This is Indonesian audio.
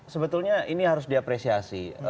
sebetulnya ini harus diapresiasi